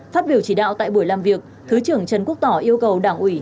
phát biểu chỉ đạo tại buổi làm việc thứ trưởng trần quốc tỏ yêu cầu đảng ủy